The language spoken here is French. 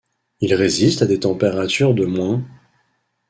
Il résiste à des températures de -.